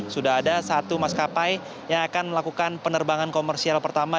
sudah ada satu maskapai yang akan melakukan penerbangan komersial pertama